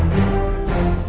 waduh waduh kenapa